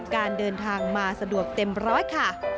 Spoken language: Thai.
การเดินทางมาสะดวกเต็มร้อยค่ะ